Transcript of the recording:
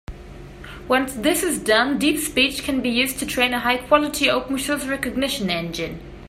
Once this is done, DeepSpeech can be used to train a high-quality open source recognition engine.